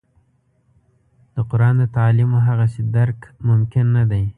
د قران د تعالیمو هغسې درک ممکن نه دی.